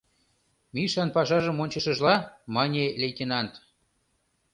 — Мишан пашажым ончышыжла, мане лейтенант.